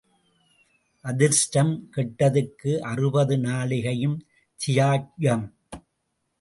அதிர்ஷ்டம் கெட்டதுக்கு அறுபது நாழிகையும் தியாஜ்யம்